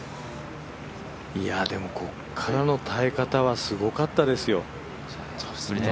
でもここからの耐え方はすごかったですよ。